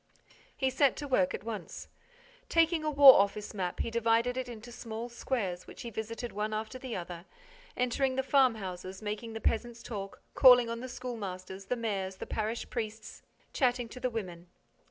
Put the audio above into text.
He set to work at once. Taking a war office map, he divided it into small squares, which he visited one after the other, entering the farmhouses making the peasants talk, calling on the schoolmasters, the mayors, the parish priests, chatting to the women.